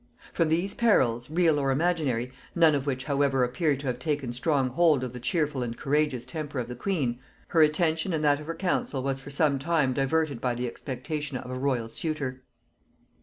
From these perils, real and imaginary, none of which however appear to have taken strong hold of the cheerful and courageous temper of the queen, her attention and that of her council was for some time diverted by the expectation of a royal suitor.